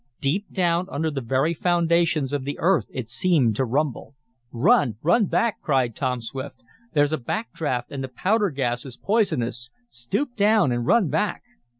Deep down under the very foundations of the earth it seemed to rumble. "Run! Run back!" cried Tom Swift. "There's a back draft and the powder gas is poisonous. Stoop down and run back!"